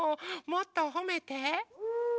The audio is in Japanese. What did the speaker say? もっとほめて。